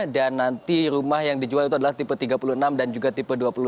dan nanti rumah yang dijual itu adalah tipe tiga puluh enam dan juga tipe dua puluh satu